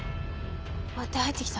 割って入ってきた。